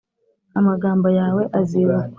amagambo yawe azibukwa